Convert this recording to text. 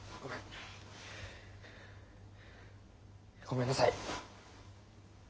ごめんなさい。